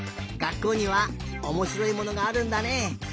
がっこうにはおもしろいものがあるんだね。